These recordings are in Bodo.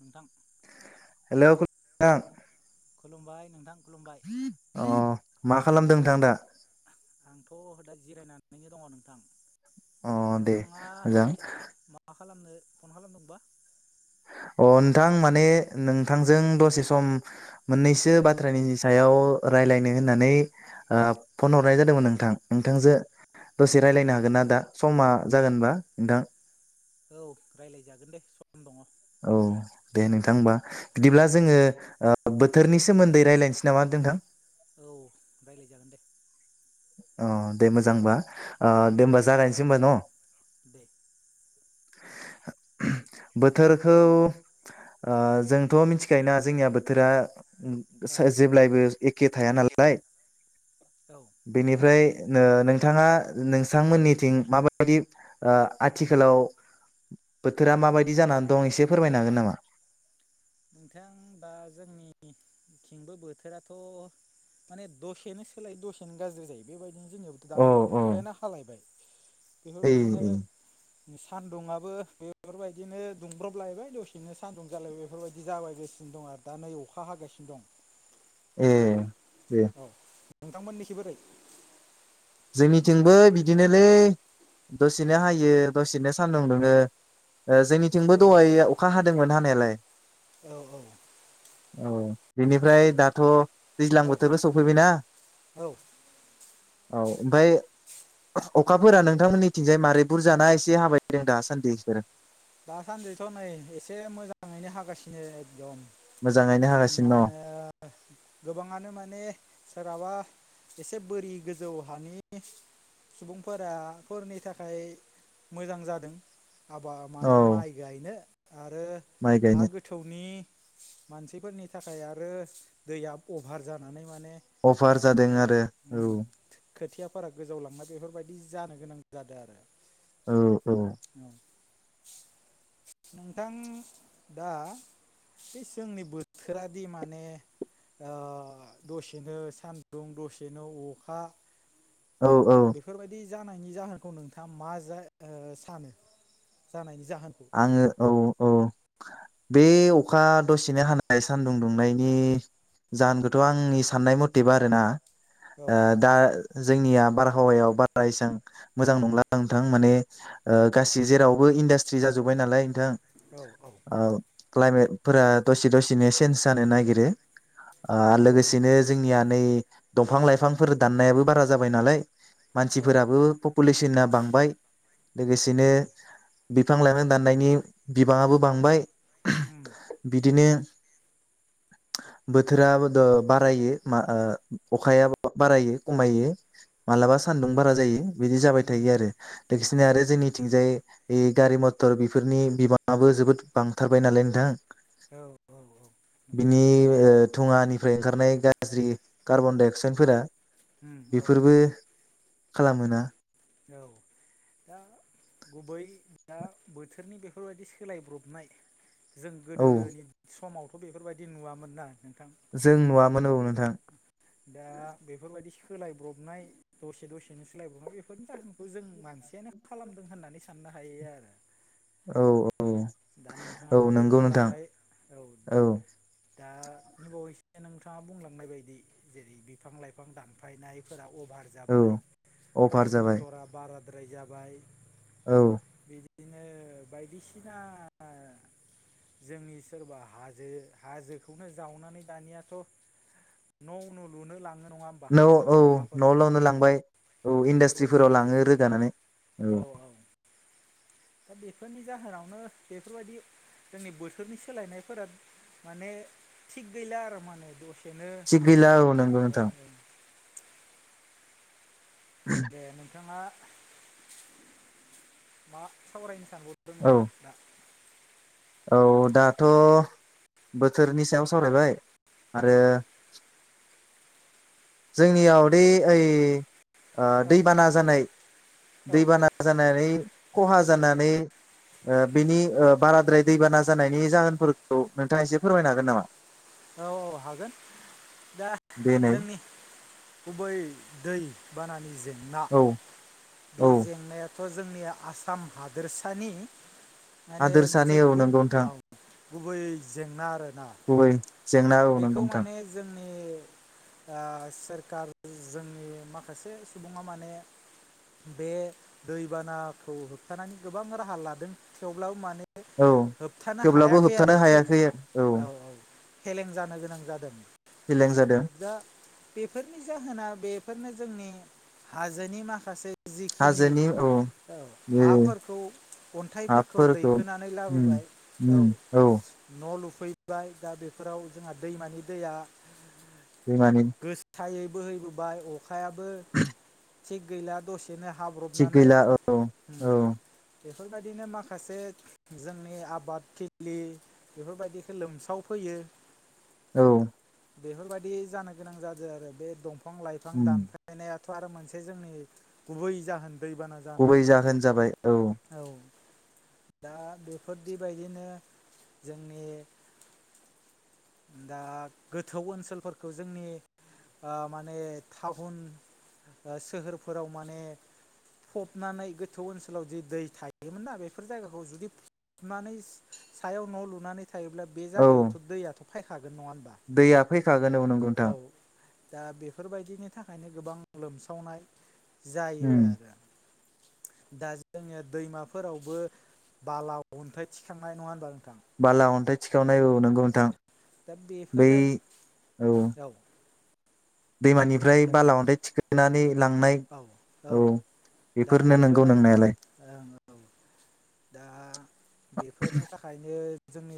नोंथां। [unintelligible] थां। खुलुमबाय नोंथां। खुलुमबाय अ। मा खालामदों नोंथां दा। आंथ' दा जिरायनानैनो दङ नोंथां। अ दे नोंथाङा मोजां। मा खालामनो फन खालामदोंबा। अ नोंथां माने नोंथांजों दसे सम। औ मोननैसो बाथ्रानि सायाव। अ रायलायनो होननानै फन हरनाय जादोंमोन नोंथां नोंथांजो दसे रायलायनो हागोन ना दा समा जागोनबा नोंथां। औ रायलायजागोन दे स औ दे नोंथां होमबा बिदिब्ला जोङो ओ। बोथोरनि सोमोन्दै रायलायनोसै नामा नोंथां। औ रायज्लाय जागोन दे। अ दे मोजांबा। ओ औ दे होनोमबा जागायनोसै होनबा न'। दे। बोथोरखौ ओ जोंथ' मिथिखायोना जोंनिया बोथोरा। ओम औ जेब्लायबो एखे थाया नालाय औ बेनिफ्राय नो नोंथाङा नोंथांमोननिथिं माबायदि ओ आथिखालाव बोथोरा माबायदि जानानै दं एसे फोरमायनो हागोन नामा। नोंथां दा जोंनिथिंबो बोथोराथ' माने दसेनो सोलायो दसेनो गाज्रि जायो बेबायदि जोंनियावथ' औ दा नै औ अखायानो हालायबाय ओइ बेफोरबायदिनो सान्दुंङआबो बेफोरबायदिनो दुंब्रबलायबाय दसेनो सान्दुं जालायबाय बेफोरबायदि बिदि जाबायगासिनो दं आरो दा नै अखा हागासिनो दं ए दे। औ [unintelligible] जोंनिथिंबो बिदिनोलै दसेनो हायो दसेनो सान्दुं दुङो। जोंनिथिंबो दहाय अखा हादोंमोन। [unintelligible] औ औ। औ बेनिफ्राय दाथ'। दैज्लां औ बोथोरबो सफैबायना। औ औ ओमफ्राय अखाफोरा नोंथांमोननिथिंजाय मारै बुरजाना एसे हाबायदों दासान्दि बिसोरो दासान्दिथ' नै एसे मोजाङैनो हागासिनो एकदम मोजाङैनो मा हागासिनो होनो गोबाङानो माने सोरहाबा एसे बोरि गोजौ हानि सुबुंफोराफोरनि थाखाय मोजां जादों आबाद न' औ माने माइ गायनो आरो माइ गायनो हा गोथौनि मानसिफोरनि थाखाय आरो दैया अभार जानानै माने अभार जादों ओ आरो ओम खोथियाफोरा गोजाव लांनाय बेफोरबायदि बिदि जानो गोनां जादों आरो औ औ औ नोंथां दा बे जोंनि बोथोराद माने दसेनो सान्दुं दसेनो अखा औ औ बेफोरबायदि जानायनि जाहोनखौ नोंथाङा मा सानो जानायनि जाहोनखौ आङो औ औ बे अखा दसेनो हानाय सानदुं दुंनायनि जाहोनखौथ' आंनि साननाय मथेबा आरोना औ आ दा जोंनिया बारहावायाव बारा इसबां मोजां नंला नोंथां माने गासै जेरावबो इनदास्ट्रि स्रि जाजोब्बाय नालाय नोंथां औ औ ओ क्लाइमेटफोरा दसे दसेनो चेन्ज जानो नागिरो नंगौ नंगौ लोगोसेनो जोंनिया नै दंफां लाइफांफोर दाननायाबो बारा जाबाय नालाय औ मानसिफोराबो पपुलेसना बांबाय लोगोसेनो नंगौ बिफां लायफां दाननायनि बिबाङाबो बांबाय उम बिदिनो बोथोराबोथ' बारायो आ ओ अखाया बारायो खमायो मालाबा सानदुं बारा जायो बिदि जाबाय उम थायो आरो औ लोगोसेनो आरो जोंनिथिंजाय ए गारि मथर बेफोरनि बिबाङाबो जोबोद बांथारबाय नालाय नोंथां औ औ औ नंगौ बिनि ओ थुङानिफ्राय ओंखारनाय गाज्रि कार्बन डाइ अक्साइडफोरा उम औ बेफोरबो खालामोना औ दा गुबै दा बोथोरनि बेफोरबायदि सोलायब्रबनाय जों औ गोदोनि समाव बेफोरबायदि नुवामोन ना नोंथां जों नुवामोन औ नोंथां दा बेफोरबायदि सोलायब्रबनाय दसे दसेनो सोलायब्रबनाय बे बेफोरखौ जों मानसियानो खालामदों होननानै साननो हायो आरो औ औ दा नोंथाङा औ दहाय नंगौ नोंथां बुंलांनाय औ दा बावैसो नोंथाङा बुंलांनाय बायदि जेरै बिफां लाइफां दानफायनायफोराव अभार औ जाबाय अभार गारि जाबाय मथरा बारा द्राय जाबाय औ बिदिनो बायदिसि‌ ना जोंनि सोरबा हाजो हाजोखौनो जावनानै दानियाथ' न' लुनो ला न' औ न' लुनो लांबाय औ इन्डास्ट्रिफोराव बेफोरबायदिनो लाङो रोगानानै औ दा बेफोरनि जाहोनाव नो बेफोरबायदि जोंनि बोथोरनि सोलायनायफोरा माने थिग गैला आरो माने दसे थिग गैला औ नंगौ नोंथां दे नोंथाङा मा औ सावरायनो [unintelligible] औ दाथ' बोथोरनि सायाव सावरायबाय आरो औ जोंनियाव दि ओइ औ दैबाना जानाय औ दैबाना जानानै खहा जानानै बिनि बाराद्राय। दैबाना जानायनि जाहोनफोरखौ नोंथाङा एसे फोरमायनो हागोन नामा? औ औ हागोन दा देनाय जोंनि गुबै दैबानानि जेंना। औ बे औ जेंनाया थ' जोंनि आसाम हादोरसानि माने हादोरसानि मोनसे औ गुब नंगौ नोंथां गुबै जेंना आरो ना। गुबै जेंना औ नंगौ नोंथां सोरखार जोंनि माखासे सुबुङा माने बे दैबानाखौ होबथानानै गोबां राहा लादों थेवब्लाबो माने औ होबथानो थेवब्लाबो हायाखै आरो होबथानो फे हायाखै औ फेलें जानो गोनां जादों। फेलें जादों दा बेफोरनि जाहोना बे बेफोरनो जोंनि हाजोनि माखासे जिखिनि औ बे हाफोरखौ अन्थाइफोरखौ हाफोरखौ दैखोनानै उम लाबोबाय औ उम न' लुफै फैबाय दा बेफोराव जोंहा दैमानि दैया दैमानि फायै बो हैबोबाय अखायाबो थिग गैला दसे थिग गैला औ औ। बेफोरबायदिनो माखासे जोंनि आबादथिलि बेफोरबायदिखौ लोमसावफैयो औ। बेफोर बायदि जानो गोनां जादों आरो बे दंफां बिफां लाइफां उम दानफायनाया थ आरो मोनसे जोंनि गुबै जाहोन दैबाना गुबै जानायनि जाहोन जाबाय औ। दा बेफोरदि बायदिनो जोंनि दा गोथौ ओनसोलफोरखौ जोंनि आ माने टाउन ओ सोहोरफोराव माने फबनानै गोथौ ओनसोलाव जु दै थायोमोन ना बेफोर जायगाखौ जुदि फबनानै सायाव न' लुनानै थायोब्ला बे औ जायगायावथ' दैयाथ' फाय हाग दैया फैखागोन औ नोंगौ नोंथां। दा बेफोरबायदिनि थाखायनो गोबां लोमसावनाय। जायो उम आरो। दा जोङो दैमाफोरावबो बाला अन्थाइ थिखांनाय नङा होनबा। नोंथां बाला अनथाय थिखावनाय औ नंगौ औ नोंथां दा बै बेफोरो औ औ दे दैमानिफ्राय बुंलाय बाला अन्थाय थिखो नानै औ औ दा बेफोरनो नंगौ बेफोराव नोंनायालाय ओं औ दा बेफोरनि थाखायनो जोंनि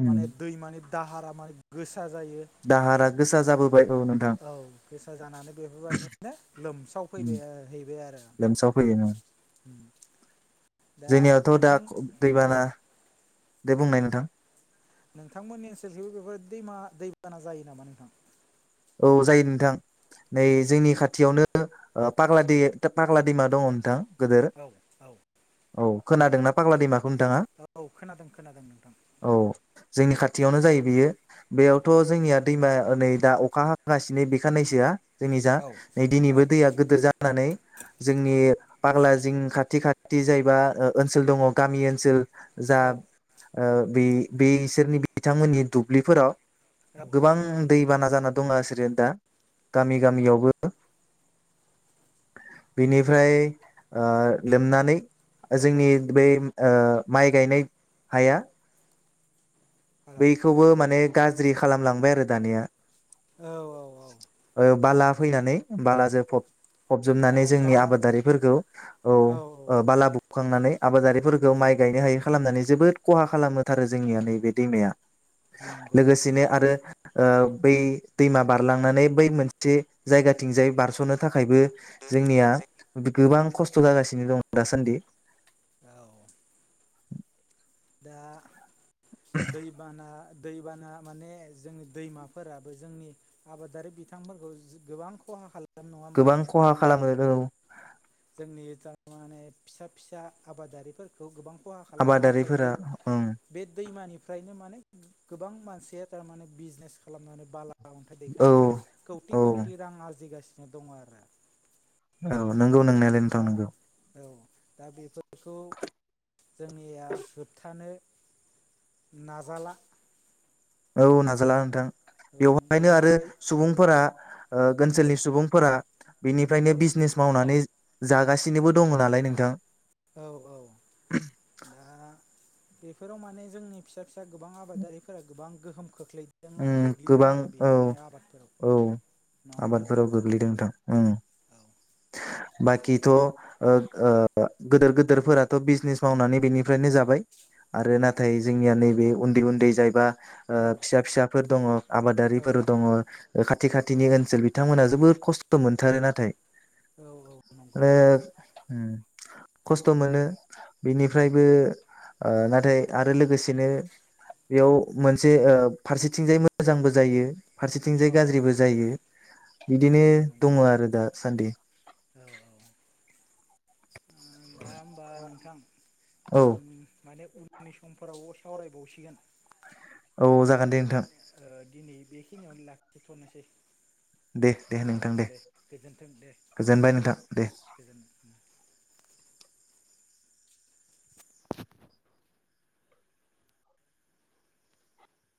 उम माने दैमानि दाहारा मा गोस दाहारा गोसा जाबोबाय औ नों औ गोसा जानानै बेफोरबायदिनो लोमसाव उम फैबाय हैबाय आरो। लोमसाव फैयो उम दा जोंनियावथ' दा नोंथां औ। दैबाना दे बुंनाय नोंथां। नोंथांमोननि ओनसोलखैबो बेफोर दैमा दैबाना जायो नामा नोंथां? औ जायो नोंथां। नै औ जोंनि खाथियावनो ओ पाग्ला दै पाग्ला दैमा दङ' नोंथां। गोदोर औ औ औ खोनादों ना पाग्ला दैमा औ खोनादों खोनादों नोंथां। औ जोंनि खाथियावनो जायो बियो। औ बेयावथ' जोंनिया दैमा ओ नै दा अ खा हागासिनो बे खाननैसोआ जोंनि जा औ नै औ दिनैबो दैया गोदोर जानानै जोंनि पाग्ला जिं खाथि खाथि जायबा ओ-ओनसोल दङ' गामि ओनसोल जा औ ओ बे बे इसोरनि बिथांमोननि दुब्लिफोराव औ गोबां दैबाना जा दङासोरो दा गामि गामियावबो बिनिफ्राय ओ लोमनानै नंगौ जोंनि बे ओ माइ गायनाय हाया हेलौ बैखौबो माने गाज्रि खालामलांबाय आरो दानिया औ औ औ ओ बाला फैनानै बालाजों फब- औ फबजोबनानै जोंनि बाला आबादारिफोरखौ औ ओ बाला बु खांनानै आबादारिफोरखौ माइ गायनो हायै खालामनानै जोबोद खहा खालामोथारो जोंनिया नैबे। दैमाया नंगौ लोगोसेनो नंगौ आरो ओ बे दैमा बारलांनानै बै मोनसे जायगाथिंजाय बारस'नो था खायबो जोंनिया गोबां खस्थ' जागासिनो दं दासान्दि। औ। दा दैबाना दैबाना माने जोंनि दैमाफोराबो जोंनि आबादारि बिथांफोरखौ जो गोबां खहा खाला गोबां खहा खालामो। औ। जोंनि थारमाने फिसा फिसा आबादारिफोरखौ गोबां खहा खालामो। नाथाय आबादारिफोरा बे ओं बे दैमानिफ्रायनो माने गोबां मानसिया थारमाने बिजनेस खालामनानै बाला अन्थाइ औ दैेखायनानै औ खौथि खौथि रां आरजिगासि नो दङ आरो। औ नंगौ नोंनायालाय नोंथां दा नोंगौ। औ दा बेफोर खौ जोंनिया होबथानो नाजाला औ ना जाला नोंथां। औ बेवहायनो आरो बेनिफ्राय सुबुंफोरा ओ औ ओनसोलनि सुबुंफोरा औ बिनिफ्रायनो बिजनेस मावनानै जागासिनोबो दङ नालाय नोंथां। औ औ दा बेफोराव माने जोंनि फिसा फिसा दा गोबां आबादारिफोरा गोबां गोहोम खोख्लैदों उम गोग्लैदों गोबां आरो औ बेफोरनि आबादफोराव औ नङा होमबा नोंथां आबादफोराव गोग्लैदों नोंथां औ उम। बाखिथ' ओ ओ गोदोर गोदोरफोराथ' बिजनेस मावनानै बेनिफ्रायनो जाबाय। आरो नाथाय जोंनिया नैबे उन्दै उन्दै जायबा ओ फिसा फोरफोर दङ औ आबादारिफोर दङ ओ खाथि औ खाथिनि ओनसोल बिथांमोना जोबोर खस्थ' मोनथारो नाथाय। औ औ नंगौ आरो नंगौ उम। खस्थ' मोनो बिनिफ्रायबो ओ नाथाय आरो लोगोसेनो बेयाव मोनसे ओ फारसेथिंजाय मोजांबो जायो। फारसेथिंजाय औ गाज्रिबो जायो औ बिदिनो औ नंगौ दङ आरो दा सान्दि। औ औ दा होमबा नोंथां औ जों माने उम आंनि समफोराव सावरायबावसिगोन। औ जाग दिनि बेखिनियावनो लाखिथ'नोसै दे दे नोंथां दे गोजोन्थों दे गोजोनबाय नोंथां दे। गोजोन